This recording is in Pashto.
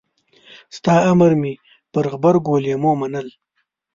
ستا امر مې پر غبرګو لېمو منل.